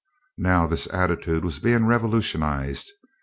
Now this attitude was being revolutionized.